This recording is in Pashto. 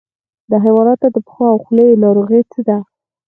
د حیواناتو د پښو او خولې ناروغي څه ده؟